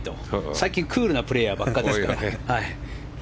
最近、クールなプレーヤーばかりですから。